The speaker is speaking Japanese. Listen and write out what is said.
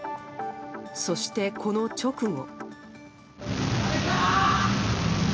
そして、この直後。